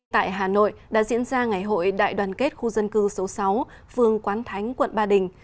tại hà nội đã diễn ra ngày hội đại đoàn kết khu dân cư số sáu phương quán thánh quận ba đình